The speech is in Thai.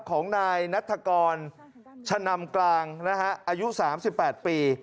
ของนายนัฐกรชะนำกลางนะฮะอายุ๓๘ปี